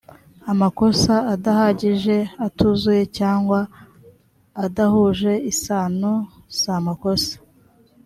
amakosa adahagije atuzuye cyangwa adahuje isano samakosa